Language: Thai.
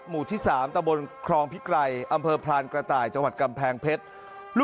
หมู่ที่๓ตะบนครองพิไกรอำเภอพรานกระต่ายจังหวัดกำแพงเพชร